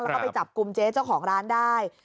แล้วก็ไปจับกลุ่มเจ๊เจ้าของร้านได้